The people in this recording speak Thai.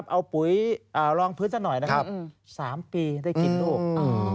เอาปุ๋ยรองพื้นกันหน่อย๓ปีได้กินลูก